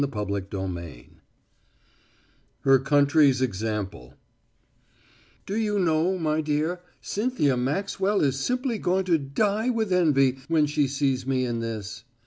CHAPTER XII HER COUNTRY'S EXAMPLE "Do you know, my dear, Cynthia Maxwell is simply going to die with envy when she sees me in this!"